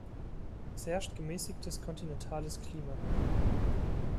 Es herrscht gemäßigtes kontinentales Klima.